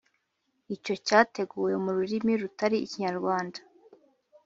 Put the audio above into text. iyo cyateguwe mu rurimi rutari Ikinyarwanda